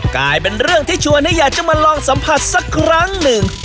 กลายเป็นเรื่องที่ชวนให้อยากจะมาลองสัมผัสสักครั้งหนึ่ง